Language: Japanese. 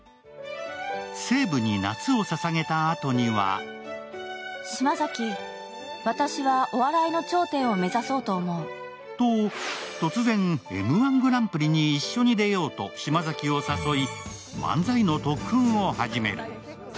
西武に夏をささげたあとにはと、突然、「Ｍ−１グランプリ」に一緒に出ようと島崎を誘い、漫才の特訓を始める。